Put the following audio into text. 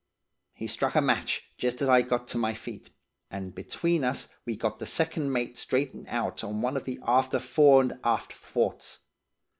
"He struck a match, just as I got to my feet, and between us we got the second mate straightened out on one of the after fore and aft thwarts.